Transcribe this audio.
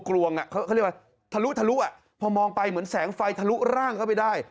เขาเรียกว่าทะลุทะลุอ่ะพอมองไปเหมือนแสงไฟทะลุร่างเข้าไปได้